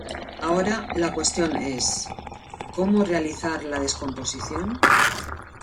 Ahora la cuestión es "¿cómo realizar la descomposición?